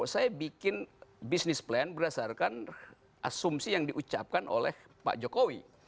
saya bikin bisnis plan berdasarkan asumsi yang diucapkan oleh pak jokowi